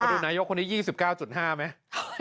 มาดูนายกคนนี้ยี่สิบเก้าจุดห้าไหม